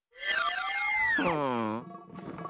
うん。